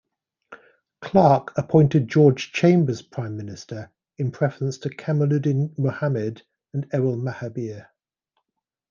Clarke appointed George Chambers Prime Minister in preference to Kamaluddin Mohammed and Errol Mahabir.